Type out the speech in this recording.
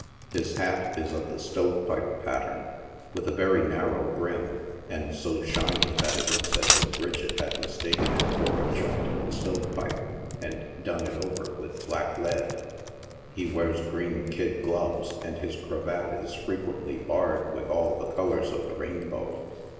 His hat is of tbe stovepipe pattern, with a verry narrow brim, and so shiny that it looks as if Bridget had mistaken it for a joint of a stove pipe, and "done it over" with black lead. He wears green Kid gloves, and his cravat is frequently barred with all the colors of the rainbow.